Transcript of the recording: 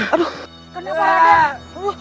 aduh kenapa raden